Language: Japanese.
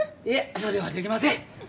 いえそれはできません。